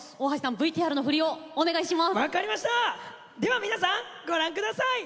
ＶＴＲの振りをお願いします。